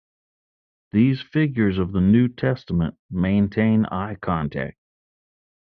These figures of the New Testament maintain eye contact.